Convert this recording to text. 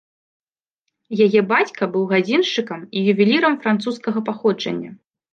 Яе бацька быў гадзіншчыкам і ювелірам французскага паходжання.